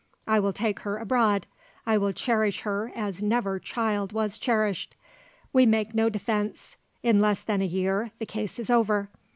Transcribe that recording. I will take her abroad. I will cherish her as never child was cherished. We make no defence. In less than a year the case is over.